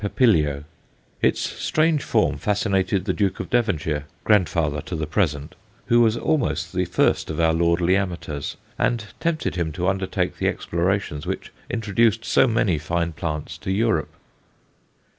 papilio_. Its strange form fascinated the Duke of Devonshire, grandfather to the present, who was almost the first of our lordly amateurs, and tempted him to undertake the explorations which introduced so many fine plants to Europe.